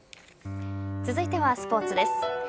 続いてはスポーツです。